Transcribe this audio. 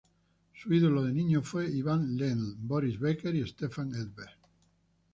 Su ídolo de niño fue Ivan Lendl, Boris Becker y Stefan Edberg.